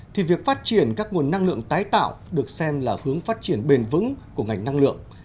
thì việc phát triển các nguồn năng lượng tái tạo được xem là hướng phát triển bền vững của ngành năng lượng